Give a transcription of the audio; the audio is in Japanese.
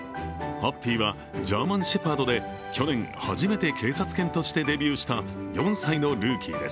ハッピーはジャーマンシェパードで去年初めて警察犬としてデビューした４歳のルーキーです。